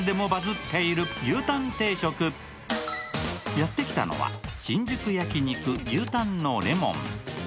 やってきたのは、新宿焼肉牛たんの檸檬。